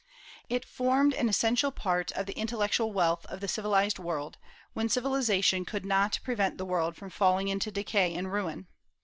It formed an essential part of the intellectual wealth of the civilized world, when civilization could not prevent the world from falling into decay and ruin.